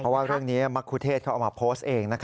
เพราะว่าเรื่องนี้มรคุเทศเขาเอามาโพสต์เอง